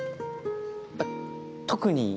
あっ特に。